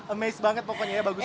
amaze banget pokoknya ya bagus